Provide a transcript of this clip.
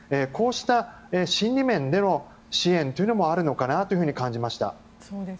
こうした心理面でも支援もあるのかなと感じました。